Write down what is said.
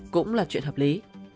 cũng là chuyện hợp lý